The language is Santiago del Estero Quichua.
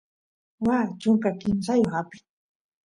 waa chunka kimsayoq apin